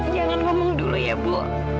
jangan ngomong dulu ya bu